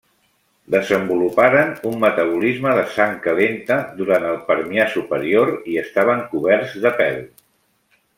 Desenvoluparen un metabolisme de sang calenta durant el Permià superior i estaven coberts de pèl.